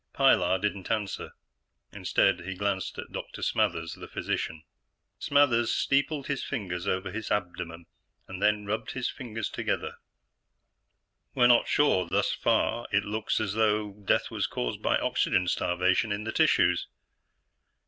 Pilar didn't answer; instead, he glanced at Dr. Smathers, the physician. Smathers steepled his fingers over his abdomen and rubbed his fingertips together. "We're not sure. Thus far, it looks as though death was caused by oxygen starvation in the tissues."